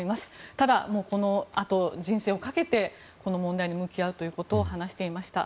ただ、このあと人生をかけてこの問題に向き合うということを話していました。